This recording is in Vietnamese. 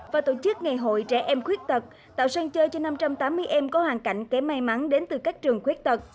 và tổ chức ngày hội trẻ em khuyết tật tạo sân chơi cho năm trăm tám mươi em có hoàn cảnh kém may mắn đến từ các trường khuyết tật